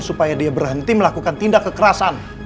supaya dia berhenti melakukan tindak kekerasan